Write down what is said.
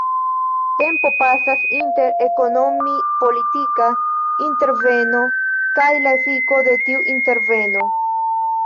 Tempo pasas inter ekonomi-politika interveno kaj la efiko de tiu interveno.